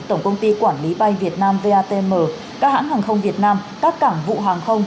tổng công ty quản lý bay việt nam vatm các hãng hàng không việt nam các cảng vụ hàng không